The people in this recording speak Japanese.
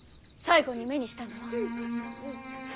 最後に目にしたのは？